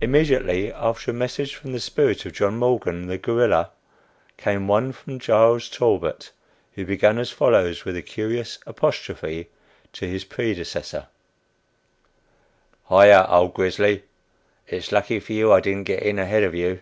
Immediately after a "message" from the spirit of John Morgan, the guerrilla, came one from Charles Talbot, who began as follows with a curious apostrophe to his predecessor: "Hi yah! old grisly. It's lucky for you I didn't get in ahead of you.